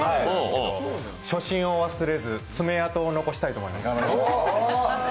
初心を忘れず爪痕を残したいと思います。